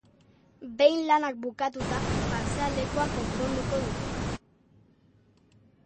Behin lanak bukatuta, pasealekua konponduko dute.